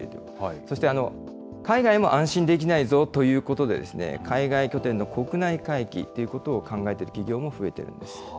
そして、海外も安心できないぞということで、海外拠点の国内回帰ということを考えている企業も増えているんです。